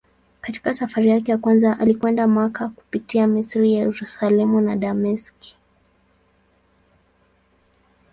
Katika safari yake ya kwanza alikwenda Makka kupitia Misri, Yerusalemu na Dameski.